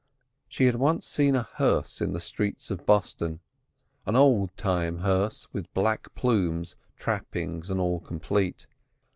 She had once seen a hearse in the streets of Boston, an old time hearse with black plumes, trappings and all complete.